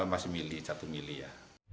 masih milih satu milih ya